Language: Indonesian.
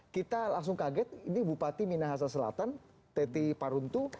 kita langsung kaget ini bupati minahasa selatan teti paruntu